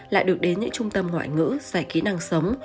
lại được đến những trung tâm ngoại ngữ giải kỹ năng sống